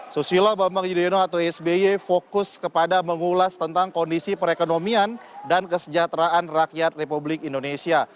susilo bambang yudhoyono atau sby fokus kepada mengulas tentang kondisi perekonomian dan kesejahteraan rakyat republik indonesia